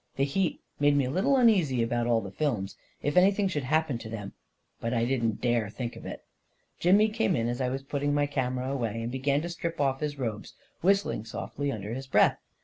The heat made me a little uneasy about all the films. If anything should happen to them — but I didn't dare think of it. Jimmy came in as I was putting my camera away, and began to strip off his robes, whistling softly under his breath.